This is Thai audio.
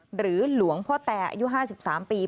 หรือหลวงพ่อแตอายุ๕๓ปี